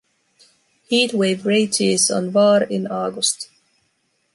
Heatwave rages on Var in August.